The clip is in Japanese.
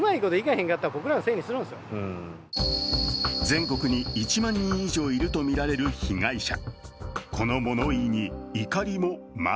全国に１万人以上いるとみられる被害者。